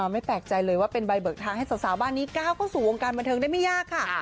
ไม่แปลกใจเลยว่าเป็นใบเบิกทางให้สาวบ้านนี้ก้าวเข้าสู่วงการบันเทิงได้ไม่ยากค่ะ